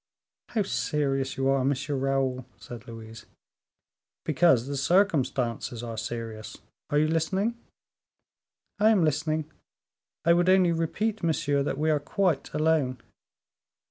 "How serious you are, M. Raoul!" said Louise. "Because the circumstances are serious. Are you listening?" "I am listening; I would only repeat, monsieur, that we are quite alone."